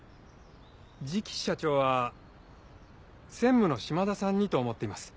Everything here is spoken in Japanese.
次期社長は専務の島田さんにと思っています。